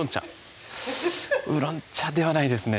ウーロン茶ではないですね